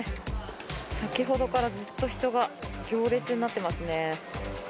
先ほどからずっと人が行列になってますね。